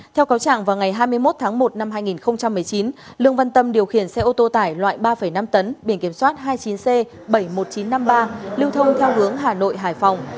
theo cáo trạng vào ngày hai mươi một tháng một năm hai nghìn một mươi chín lương văn tâm điều khiển xe ô tô tải loại ba năm tấn biển kiểm soát hai mươi chín c bảy mươi một nghìn chín trăm năm mươi ba lưu thông theo hướng hà nội hải phòng